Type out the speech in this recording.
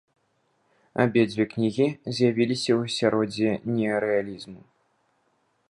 Абедзве кнігі з'явіліся ў асяроддзі неарэалізму.